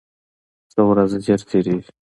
ښه ورځ ژر تېرېږي